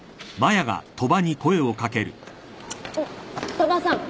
鳥羽さん